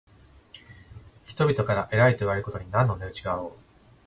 人々から偉いといわれることに何の値打ちがあろう。